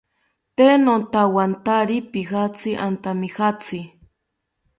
Tee notawantari piratzi antamijatzi